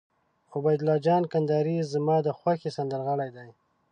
عبیدالله جان کندهاری زما د خوښې سندرغاړی دي.